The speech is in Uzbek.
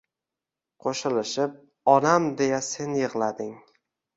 Qo’shilishib “Onam” deya sen yig’lading